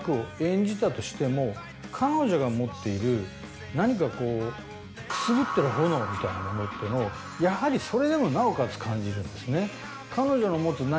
彼女が持っている何かこうくすぶってる炎みたいなものってのをやはりそれでもなおかつ感じるんですね。